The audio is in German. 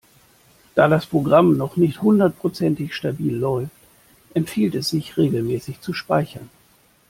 Da das Programm noch nicht hundertprozentig stabil läuft, empfiehlt es sich, regelmäßig zu speichern.